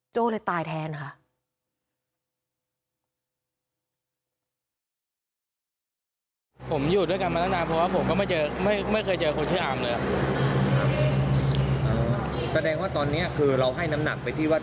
เลยตายแทนค่ะ